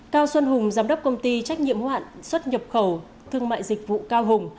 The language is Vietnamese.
cao xuân hùng giám đốc công ty trách nhiệm hoạn xuất nhập khẩu thương mại dịch vụ cao hùng